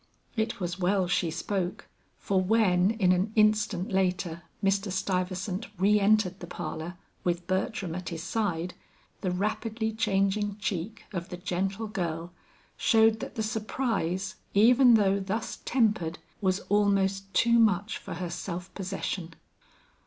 It was well she spoke, for when in an instant later Mr. Stuyvesant re entered the parlor with Bertram at his side, the rapidly changing cheek of the gentle girl showed that the surprise, even though thus tempered, was almost too much for her self possession.